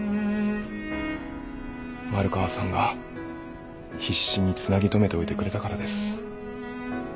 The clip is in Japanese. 丸川さんが必死につなぎ留めておいてくれたからです。